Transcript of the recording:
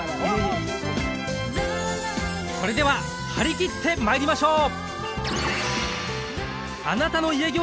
それでは張り切ってまいりましょう！